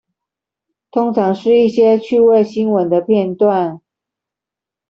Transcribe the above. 通常是一些趣味新聞的片段